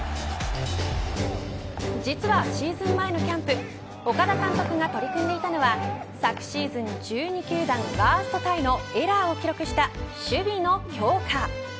実はシーズン前のキャンプ岡田監督が取り組んでいたのは昨シーズン１２球団ワーストタイのエラーを記録した守備の強化。